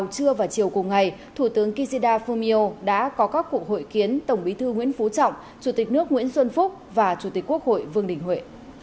trưa và chiều cùng ngày thủ tướng kishida fumio đã có các cuộc hội kiến tổng bí thư nguyễn phú trọng chủ tịch nước nguyễn xuân phúc và chủ tịch quốc hội vương đình huệ